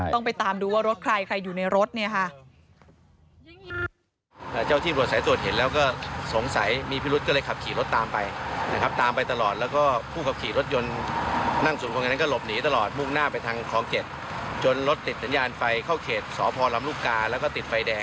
ต้องไปตามดูว่ารถใครใครอยู่ในรถ